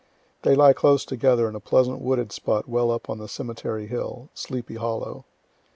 They lie close together in a pleasant wooded spot well up the cemetery hill, "Sleepy Hollow."